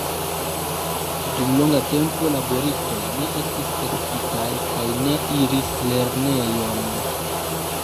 Dum longa tempo, laboristoj ne estis edukitaj kaj ne iris lernejon.